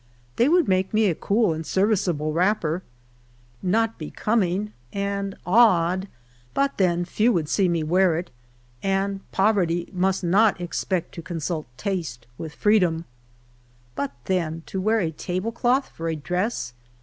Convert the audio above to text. They would make me a cool and serviceable wrapper— not becoming, and odd— but then few HALF A DIME A DAY. I3 would see nie wear it, and poverty must not expect to con sult taste with freedom. But then to wear a tablecloth for a dress